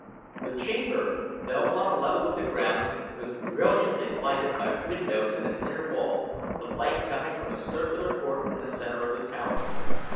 The chamber, though on a level with the ground, was brilliantly lighted by windows in its inner wall, the light coming from a circular court in the center of the tower.